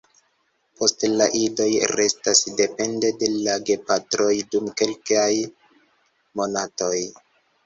Poste la idoj restas depende de la gepatroj dum kelkaj monatoj.